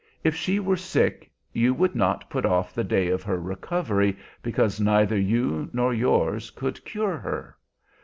If she were sick, you would not put off the day of her recovery because neither you nor yours could cure her?